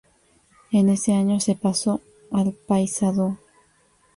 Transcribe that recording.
En ese año se pasó al Paysandú.